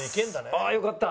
ああよかった。